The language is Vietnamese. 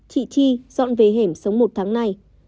chị chi dọn về hẻm sống một tháng nay